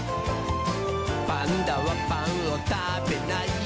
「パンダはパンをたべないよ」